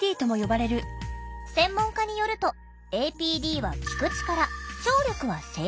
専門家によると「ＡＰＤ」は聞く力・聴力は正常。